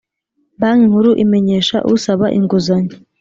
Banki Nkuru imenyesha usaba inguzanyo